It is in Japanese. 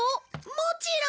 もちろん！